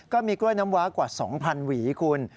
ก็มีกล้วยน้ำว้ากว่า๒๐๐หวีคุณ